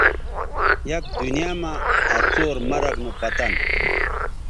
یک دنیاں مہ آ څور مرگ نو پتن